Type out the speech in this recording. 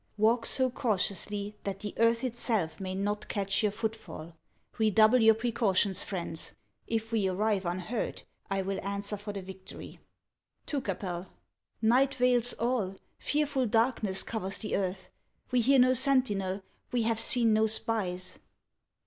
Walk so cautiously that the earth itself may not catch your footfall. Redouble your precautions, friends. If \ve arrive unheard, 1 will answer for the victory. TiicapcL Night veils all ; fearful darkness covers the earth. We hear no sentinel ; we have seen no spies.